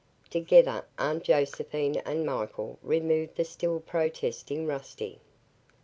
Together Aunt Josephine and Michael removed the still protesting Rusty.